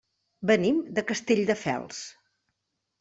Venim de Castelldefels.